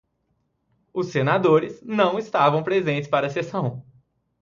Os senadores não estavam presentes para a sessão.